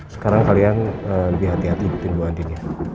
sekarang kalian lebih hati hati ikutin bu andinnya